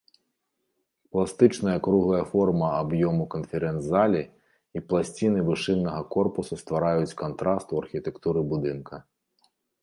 Пластычная круглая форма аб'ёму канферэнц-залы і пласціны вышыннага корпуса ствараюць кантраст у архітэктуры будынка.